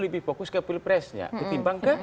lebih fokus ke pilpresnya ketimbang ke